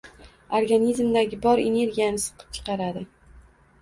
Organizmdagi bor energiyani siqib chiqaradi.